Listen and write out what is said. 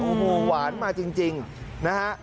โอ้โหหวานมาจริงนะฮะ